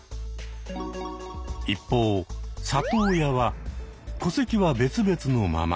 一方「里親」は戸籍は別々のまま。